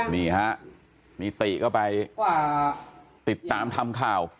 นี่ฮะนิติก็ไปติดตามทำข่าว